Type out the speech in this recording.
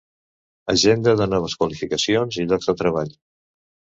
Agenda de noves qualificacions i llocs de treball.